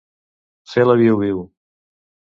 Fer la viu-viu.